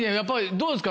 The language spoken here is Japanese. どうですか？